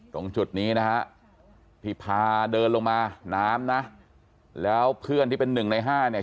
ตรงจุดนี้นะฮะที่พาเดินลงมาน้ำนะแล้วเพื่อนที่เป็นหนึ่งในห้าเนี่ย